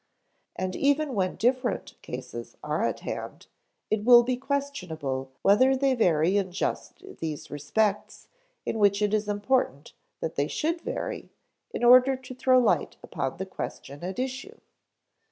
And even when different cases are at hand, it will be questionable whether they vary in just these respects in which it is important that they should vary in order to throw light upon the question at issue.